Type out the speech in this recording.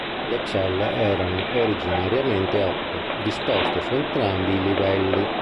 Le celle erano originariamente otto, disposte su entrambi i livelli.